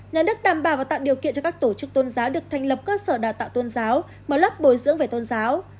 nhà nước đảm bảo và tạo điều kiện cho các tổ chức tôn giáo được thành lập cơ sở đà tạo tôn giáo mở lớp bồi dưỡng về tôn giáo